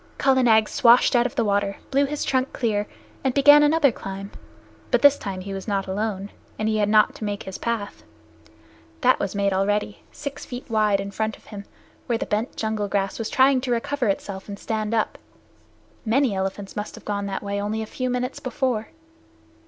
Kala Nag swashed out of the water, blew his trunk clear, and began another climb. But this time he was not alone, and he had not to make his path. That was made already, six feet wide, in front of him, where the bent jungle grass was trying to recover itself and stand up. Many elephants must have gone that way only a few minutes before.